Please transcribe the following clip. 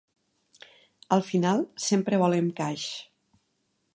Al final, sempre volem cash.